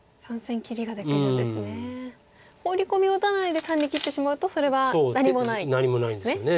ホウリコミを打たないで単に切ってしまうとそれは何もないんですね。